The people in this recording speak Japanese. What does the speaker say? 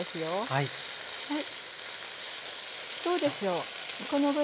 はい。